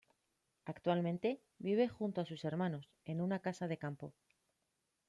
Actualmente, vive junto a sus hermanos, en su casa de campo.